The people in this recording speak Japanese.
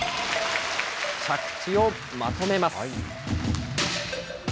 着地をまとめます。